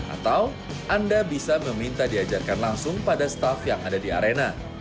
atau anda bisa meminta diajarkan langsung pada staff yang ada di arena